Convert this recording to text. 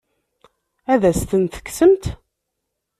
Ad as-ten-tekksemt?